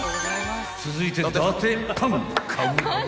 ［続いて］